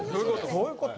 どういうこと？